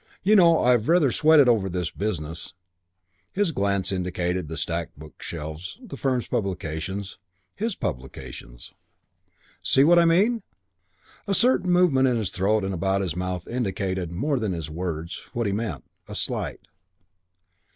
You know, I've rather sweated over this business," his glance indicated the stacked bookshelves, the firm's publications, his publications.... "See what I mean?" A certain movement in his throat and about his mouth indicated, more than his words, what he meant. A slight.